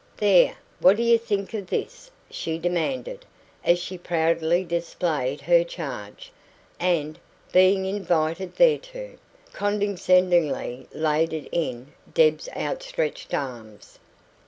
"There, what do you think of THIS?" she demanded, as she proudly displayed her charge, and, being invited thereto, condescendingly laid it in Deb's outstretched arms.